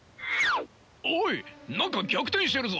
おい何か逆転してるぞ！